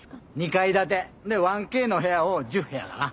２階建て。で１Ｋの部屋を１０部屋かな。